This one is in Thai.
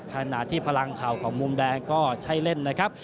มากนะครับขณะที่พลังข่าวของมุมแดงก็ใช้เล่นนะครับ